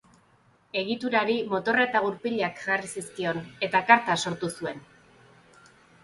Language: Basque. Egiturari motorra eta gurpilak jarri zizkion eta karta sortu zuen.